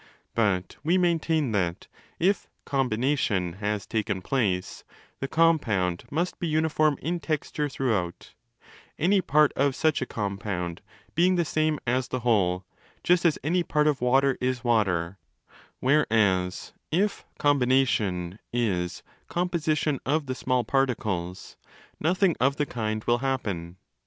But 10 we maintain that, if 'combination' has taken place, the compound must be uniform in texture throughout—any part of such a compound being the same as the whole, just as any part of water is water: whereas, if ' combination' is 'composition of the small particles', nothing of the kind will happen.